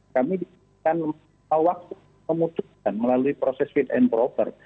kami diberikan waktu memutuskan melalui proses fit and proper